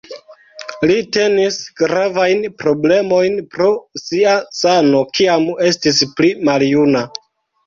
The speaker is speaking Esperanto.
Li tenis gravajn problemojn pro sia sano kiam estis pli maljuna.